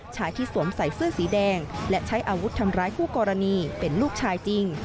ชายที่สวมใส่เสื้อสีแดงและใช้อาวุธทำร้ายคู่กรณีเป็นลูกชายจริง